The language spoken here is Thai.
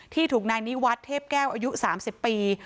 ที่ถูกนายนิวัฒน์เทพแก้วอายุ๓๐ปี